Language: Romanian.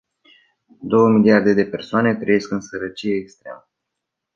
Două miliarde de persoane trăiesc în sărăcie extremă.